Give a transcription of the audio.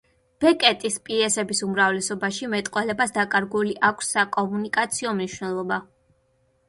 ბეკეტის პიესების უმრავლესობაში მეტყველებას დაკარგული აქვს საკომუნიკაციო მნიშვნელობა.